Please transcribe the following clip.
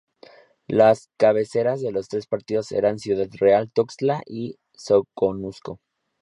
Las cabeceras de los tres partidos eran Ciudad Real, Tuxtla y Soconusco.